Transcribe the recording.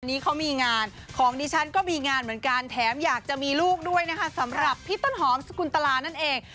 นี้เขามีงานของดิฉันก็มีงานเหมือนกันแถมอยากจะมีลูกด้วยนะคะสำหรับพี่ต้นหอมสกุลตลานั่นเอง